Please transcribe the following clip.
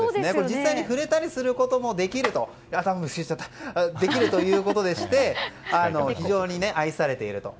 実際に触れたりすることもできるということでして非常に愛されていると。